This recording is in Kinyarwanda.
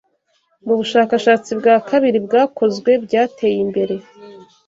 Mu bushakashatsi bwa kabiri bwakozwe byateye imbere